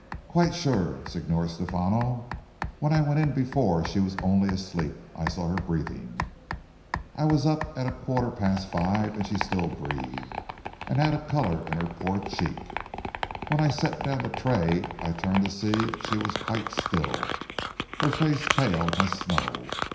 "Quite sure Signor Stephano. When I went in before she was only asleep; I saw her breathing. I was up at a quarter past five and she still breathed, and had a colour in her poor cheek. When I set down the tray I turned to see that she was quite still, her face pale as snow.